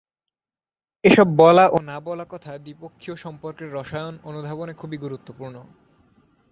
এসব বলা ও না বলা কথা দ্বিপক্ষীয় সম্পর্কের রসায়ন অনুধাবনে খুবই গুরুত্বপূর্ণ।